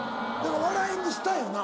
笑いにしたよな。